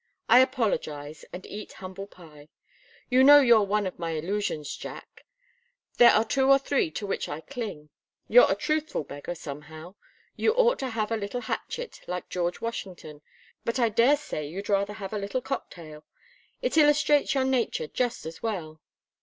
I apologize, and eat humble pie. You know you're one of my illusions, Jack. There are two or three to which I cling. You're a truthful beggar, somehow. You ought to have a little hatchet, like George Washington but I daresay you'd rather have a little cocktail. It illustrates your nature just as well.